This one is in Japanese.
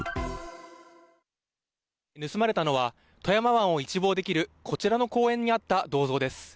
盗まれたのは、富山湾を一望できるこちらの公園にあった銅像です。